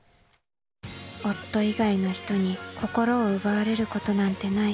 夫以外の人に心を奪われることなんてない。